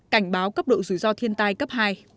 cảnh báo cấp độ rủi ro thiên tai cấp hai